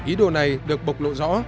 ý đồ này được bộc lộ rõ